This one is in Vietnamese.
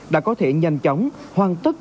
đã có thể nhanh chóng hoàn tất